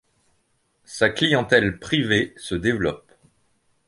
Sa clientèle privée se développe.